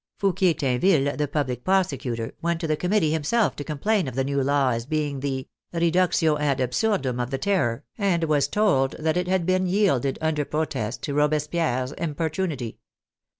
Fouquier Tinville, the public prosecutor, went to the Committee himself to complain of the new law as being the reductio ad absurdum of the Terror, and was told that it had been yielded under protest to Robespierre's importunity.